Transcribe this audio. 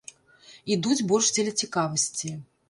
Ідуць больш дзеля цікавасці.